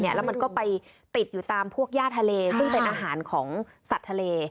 แล้วมันก็ไปติดอยู่ตามพวกย่าทะเลซึ่งเป็นอาหารของสัตว์ทะเล